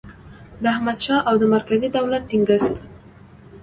د احمدشاه او د مرکزي دولت ټینګیښت